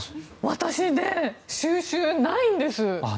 私、収集、ないんです。